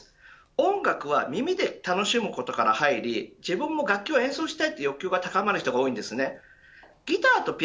音楽は耳で楽しむことから入り自分も楽器を演奏したいという欲求が高まる人も多いです。